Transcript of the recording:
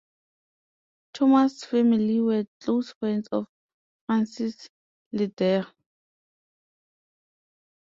Thomas' family were close friends of Francis Lederer.